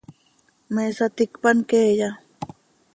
¿Me saticpan queeya?